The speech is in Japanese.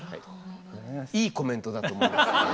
いいコメントだと思います。